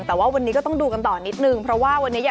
สวัสดีค่ะหมอก๋อย